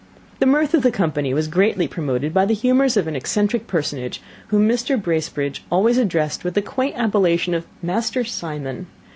The mirth of the company was greatly promoted by the humours of an eccentric personage whom Mr. Bracebridge always addressed with the quaint appellation of Master Simon.